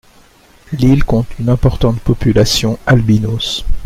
L'île compte une importante population albinos.